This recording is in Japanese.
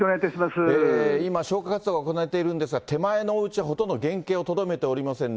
今、消火活動が行われているんですが、手前のおうちはほとんど原形をとどめておりませんね。